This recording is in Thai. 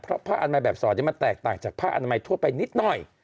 เพราะผ้าอนามัยแบบสอดมันแตกต่างจากผ้าอนามัยทั่วไปนิดหน่อย